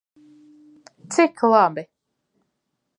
Cik labi!